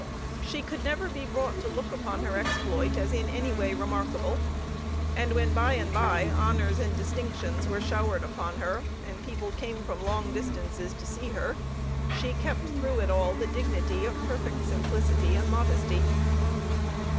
She could never be brought to look upon her exploit as in any way remarkable, and when by and by honors and distinctions were showered upon her, and people came from long distances to see her, she kept through it all the dignity of perfect simplicity and modesty.